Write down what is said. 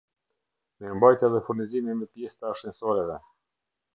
Mirëmbajtja dhe furnizimi me pjesë të Ashensoreve